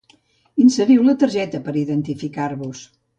Inseriu la targeta per identificar-vos.